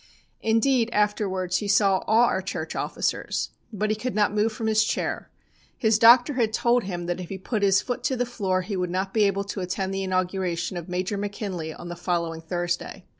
Indeed, afterwards, he saw all our church officers. But he could not move from his chair. His doctor had told him that if he put his foot to the floor he would not be able to attend the inauguration of Major McKinley on the following Thursday.